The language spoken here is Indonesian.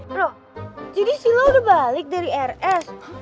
bro jadi sila udah balik dari rs